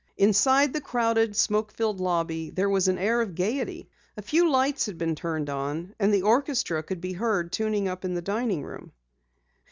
Inside the crowded, smoke filled lobby there was an air of gaiety. A few lights had been turned on, and the orchestra could be heard tuning up in the dining room.